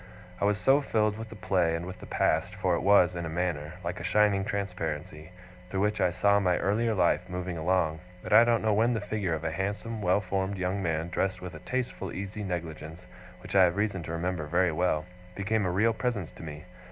I was so filled with the play, and with the past for it was, in a manner, like a shining transparency, through which I saw my earlier life moving along that I don't know when the figure of a handsome well formed young man dressed with a tasteful easy negligence which I have reason to remember very well, became a real presence to me.